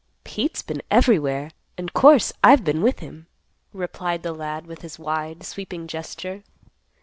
"Pete's been everywhere; an' course I've been with him," replied the lad with his wide, sweeping gesture.